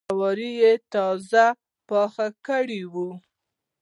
جواري یې تازه پوخ کړی و.